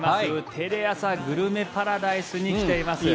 テレアサグルメパラダイスに来ています。